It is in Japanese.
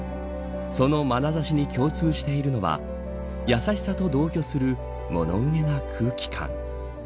そのまなざしに共通しているのは優しさと同居する物憂げな空気感。